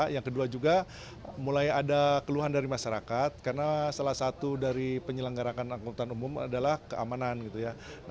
yang kedua juga mulai ada keluhan dari masyarakat karena salah satu dari penyelenggarakan angkutan umum adalah keamanan gitu ya